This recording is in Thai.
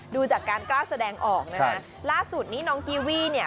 ดูจากการกล้าแสดงออกนะฮะล่าสุดนี้น้องกีวี่เนี่ย